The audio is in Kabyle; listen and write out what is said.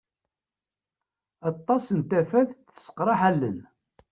Aṭas n tafat tesseqṛaḥ allen.